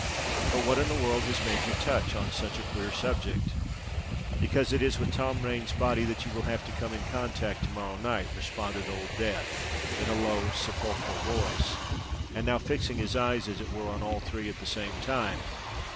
But what in the world has made you touch on such a queer subject?" "Because it is with Tom Rain's body that you will have to come in contact to morrow night!" responded Old Death, in a low, sepulchral voice, and now fixing his eyes as it were on all the three at the same time.